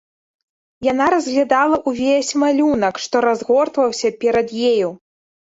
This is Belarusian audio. Яна разглядала ўвесь малюнак, што разгортваўся перад ёю.